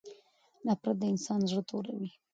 نفرت د انسان زړه توروي.